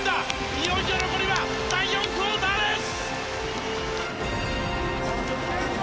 いよいよ残りは第４クオーターです！